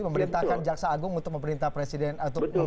memerintahkan kejaksaan agung untuk memeriksa mata presiden spy